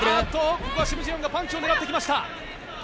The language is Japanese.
ここはシム・ジェヨンがパンチを狙ってきました。